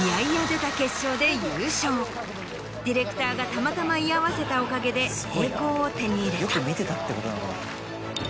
ディレクターがたまたま居合わせたおかげで栄光を手に入れた。